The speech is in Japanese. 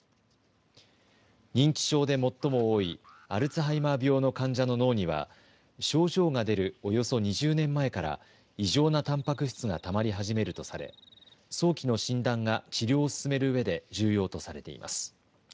認知症で最も多いアルツハイマー病の患者の脳には症状が出るおよそ２０年前から異常なたんぱく質がたまり始めるとされ、早期の診断が治療を進めるうえで重要とされています。